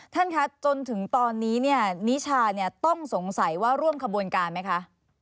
ท่านคะจนถึงตอนนี้เนี่ยนิชาต้องสงสัยว่าร่วมขบวนการไหมคะ